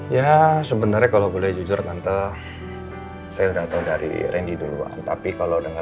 ya sebenarnya kalau boleh jujur tante saya udah tahu dari randy duluan tapi kalau dengan